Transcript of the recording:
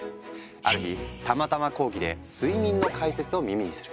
ある日たまたま講義で睡眠の解説を耳にする。